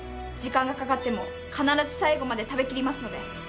時間がかかっても必ず最後まで食べ切りますので。